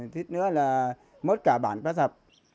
thứ nữa là mất cả bản pá sập